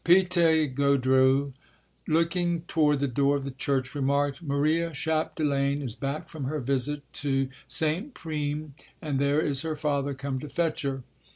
Pite Gaudreau, looking toward the door of the church, remarked: "Maria Chapdelaine is back from her visit to St. Prime, and there is her father come to fetch her."